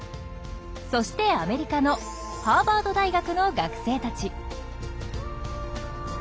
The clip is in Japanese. そしてアメリカのハーバード大学の学生たち。